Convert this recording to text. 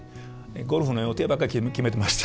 ゴルフの予定ばっか決めてました。